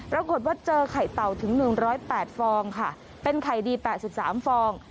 รับความคิดว่าเจอไข่เตาถึง๑๐๘ฟองค่ะเป็นไข่ดี๘๓ฟอง